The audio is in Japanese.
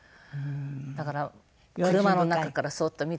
だから車の中からそっと見てました。